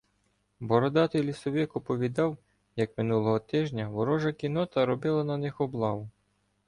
Бородатий лісовик оповідав, як минулого тижня ворожа кіннота робила на них облаву.